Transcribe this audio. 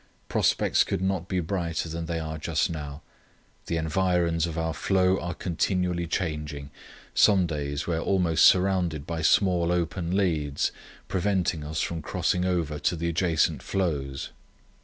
Prospects could not be brighter than they are just now. The environs of our floe are continually changing. Some days we are almost surrounded by small open leads, preventing us from crossing over to the adjacent floes."